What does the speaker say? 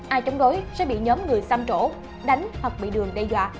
ai chống đối sẽ bị nhóm người xăm rỗ đánh hoặc bị đường đe dọa